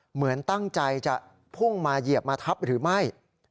เหมือนตั้งใจจะพุ่งมาเหยียบมาทับหรือไม่